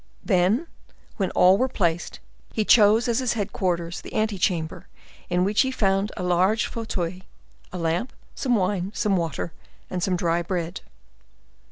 Then, when all were placed, he chose as his headquarters the ante chamber, in which he found a large fauteuil, a lamp, some wine, some water, and some dry bread.